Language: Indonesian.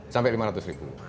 sampai lima ratus ribu